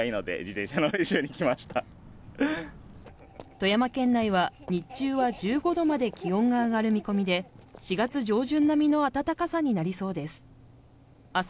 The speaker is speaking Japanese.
富山県内は日中は１５度まで気温が上がる見込みで４月上旬並みの暖かさになりそうです